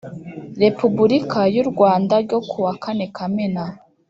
Repubulikay u Rwanda ryo ku wa kane Kamena